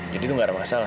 jadi itu gak ada masalah